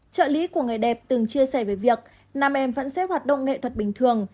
trợ lý của người đẹp từng chia sẻ về việc nam em vẫn xếp hoạt động nghệ thuật bình thường